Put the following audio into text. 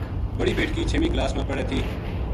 بڑی بیٹکی چھیمی کلاس ما پڑھے تھی